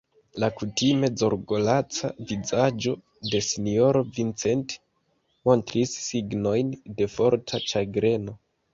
La kutime zorgolaca vizaĝo de sinjoro Vincent montris signojn de forta ĉagreno.